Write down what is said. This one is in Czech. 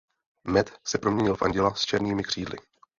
Matt se proměnil v anděla s černými křídly.